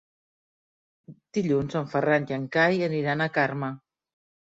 Dilluns en Ferran i en Cai aniran a Carme.